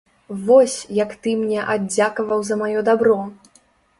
Вось, як ты мне аддзякаваў за маё дабро!